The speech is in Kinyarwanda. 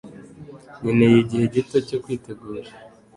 Nkeneye igihe gito cyo kwitegura.